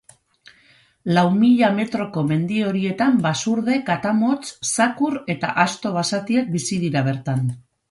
Lau mila metroko mendi horietan basurde, katamotz, zakur eta asto basatiak bizi dira bertan.